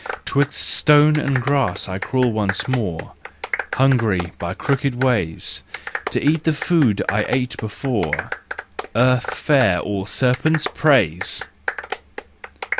'Twixt stone and grass I crawl once more, Hungry, by crooked ways, To eat the food I ate before, Earth fare all serpents praise!